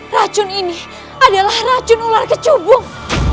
racun ini adalah racun ular kecubung